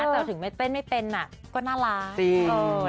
แต่ถึงไม่เต้นไม่เป็นก็น่ารัก